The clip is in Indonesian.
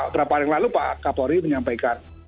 berapa hari yang lalu pak kapolri menyampaikan